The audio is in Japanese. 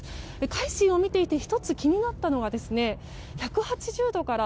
「海進」を見ていて１つ、気になったのは１８０度から